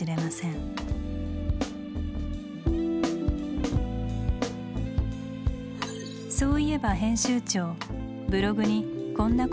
そういえば編集長ブログにこんなこと書いてましたね。